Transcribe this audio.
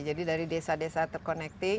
jadi dari desa desa terconnecting